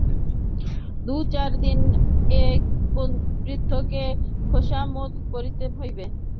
দু-চার দিন এ বৃদ্ধকে খোশামোদ করিতে হইবে।